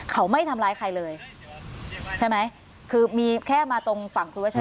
เขาไม่ทำร้ายใครเลยใช่ไหมคือมีแค่มาตรงฝั่งคุณวัช